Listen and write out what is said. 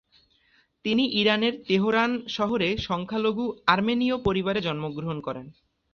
তিনি ইরানের তেহরান শহরে সংখ্যালঘু আর্মেনিয় পরিবারে জন্মগ্রহণ করেন।